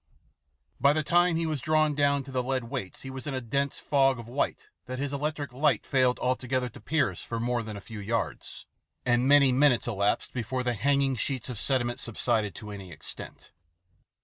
By the time he was drawn down to the lead weights he was in a dense fog of white that his electric light failed altogether to pierce for more than a few yards, and many minutes elapsed before the hanging sheets of sediment subsided to any extent.